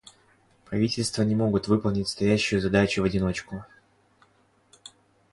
Правительства не могут выполнять стоящую задачу в одиночку.